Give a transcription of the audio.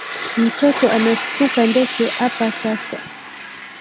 Mtoto anastuka ndeke apa sasa